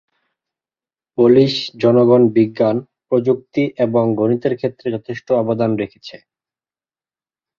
Polish জনগণ বিজ্ঞান, প্রযুক্তি এবং গণিতের ক্ষেত্রে যথেষ্ট অবদান রেখেছে।